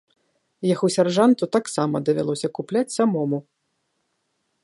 Яго сяржанту таксама давялося купляць самому.